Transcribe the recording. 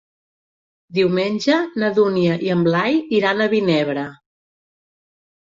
Diumenge na Dúnia i en Blai iran a Vinebre.